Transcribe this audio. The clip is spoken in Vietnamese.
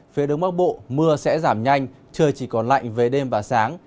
phía đông bắc bộ mưa sẽ giảm nhanh trời chỉ còn lạnh về đêm và sáng